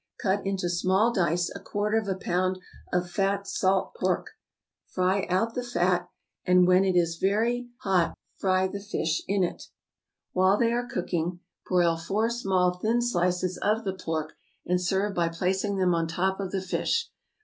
Cut into small dice a quarter of a pound of fat salt pork, fry out the fat, and when it is very hot fry the fish in it. While they are cooking, broil four small thin slices of the pork, and serve by placing them on top of the fish.